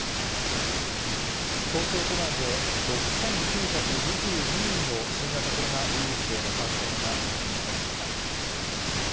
東京都内で、６９２２人の新型コロナウイルスへの感染が確認されました。